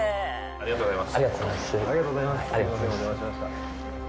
ありがとうございます。